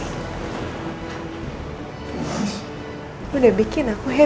ayo dulu ke rumah kw lo negeruhin ano